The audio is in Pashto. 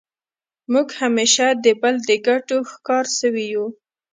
موږ همېشه د بل د ګټو ښکار سوي یو.